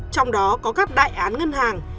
trong đó có các đại án ngân hàng